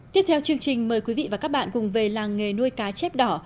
tiếp theo chương trình mời quý vị và các bạn cùng về làng nghề nuôi cá chép đỏ